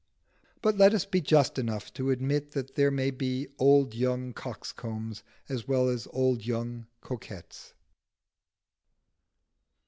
But let us be just enough to admit that there may be old young coxcombs as well as old young coquettes.